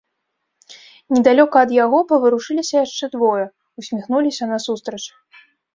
Недалёка ад яго паварушыліся яшчэ двое, усміхнуліся насустрач.